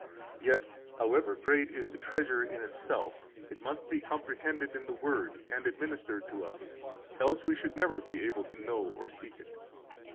Yet, however great is the treasure in itself, it must be comprehended in the Word and administered to us, else we should never be able to know or seek it.